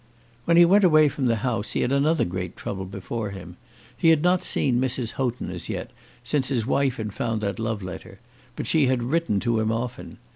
When he went away from the house he had another great trouble before him. He had not seen Mrs. Houghton as yet, since his wife had found that love letter; but she had written to him often.